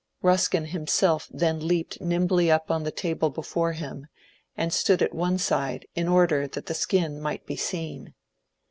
Buskin himself then leaped nimbly up on the table before him and stood at one side in order that the skin might be seen.